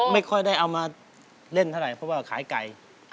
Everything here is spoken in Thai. ไม่ค่อยได้เอามาเล่นเท่าไหร่เพราะว่าขายไก่